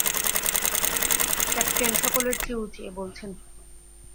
কাপ্তেন সকলের চেয়ে উঁচিয়ে বলছেন।